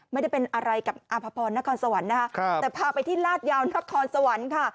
ไม่ได้เป็นอะไรกับอภพรนครสวรรค์นะคะแต่พาไปที่ลาดยาวนครสวรรค์ค่ะ